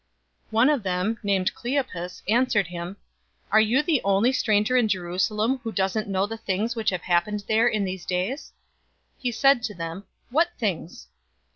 024:018 One of them, named Cleopas, answered him, "Are you the only stranger in Jerusalem who doesn't know the things which have happened there in these days?" 024:019 He said to them, "What things?"